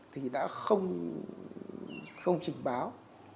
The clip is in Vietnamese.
thì đã không trình báo